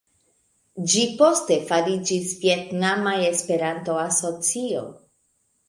Ĝi poste fariĝis Vjetnama Esperanto-Asocio.